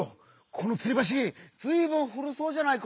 このつりばしずいぶんふるそうじゃないか？